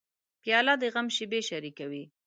پیاله د غم شېبې شریکوي.